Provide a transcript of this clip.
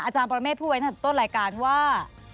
อาจารย์ปรเมฆพูดไว้ตั้งแต่ต้นรายการว่า